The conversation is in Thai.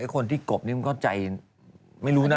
เอ๊ะคนที่กบก็มึงก็ใจไม่รู้นะ